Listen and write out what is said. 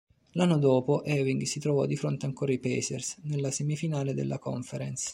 L'anno dopo Ewing si trovò di fronte ancora i Pacers, nella semifinale della Conference.